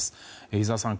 井澤さん